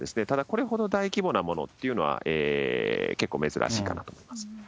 ただこれほど大規模なものっていうのは、結構珍しいかなと思いま